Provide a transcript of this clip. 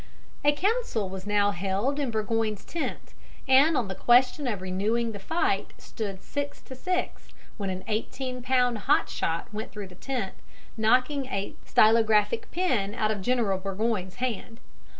A council was now held in Burgoyne's tent, and on the question of renewing the fight stood six to six, when an eighteen pound hot shot went through the tent, knocking a stylographic pen out of General Burgoyne's hand.